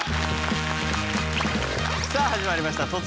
さあ始まりました